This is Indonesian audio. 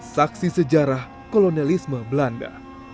saksi sejarah kolonialisme belanda